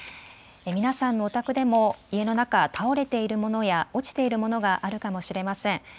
皆さんのお宅でも家の中、倒れているものや落ちているものがあるかもしれません。